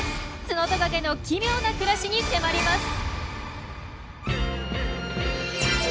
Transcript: ツノトカゲの奇妙な暮らしに迫ります。